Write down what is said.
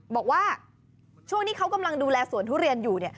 บอกว่าช่วงที่เขากำลังดูแลสวนทุเรียนอยู่